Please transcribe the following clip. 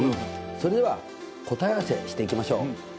それでは答え合わせしていきましょう。